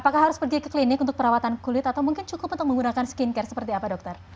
apakah harus pergi ke klinik untuk perawatan kulit atau mungkin cukup untuk menggunakan skincare seperti apa dokter